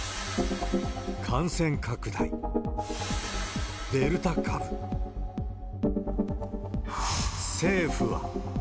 感染拡大、デルタ株、政府は。